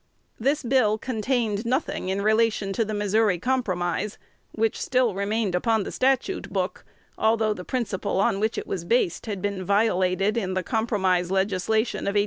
This bill contained nothing in relation to the Missouri Compromise, which still remained upon the statute book, although the principle on which it was based had been violated in the Compromise legislation of 1850.